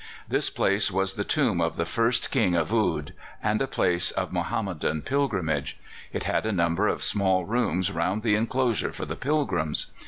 This place was the tomb of the first King of Oude, and a place of Mohammedan pilgrimage. It had a number of small rooms round the enclosure for the pilgrims.